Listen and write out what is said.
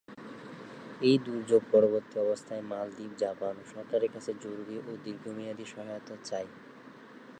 এই দুর্যোগ পরবর্তী অবস্থায় মালদ্বীপ, জাপান সরকারের কাছে জরুরি এবং দীর্ঘমেয়াদী সহায়তা চায়।